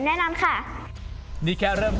แชมป์กลุ่มนี้คือ